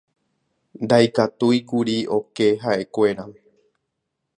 Ndaikatúikuri oke ha'ekuéra.